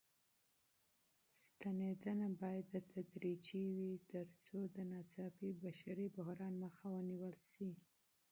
ستنېدنه بايد تدريجي وي تر څو د ناڅاپي بشري بحران مخه ونيول شي.